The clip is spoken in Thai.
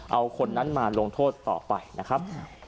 เอาคนนั้นมาลงโทษต่อไปนะครับ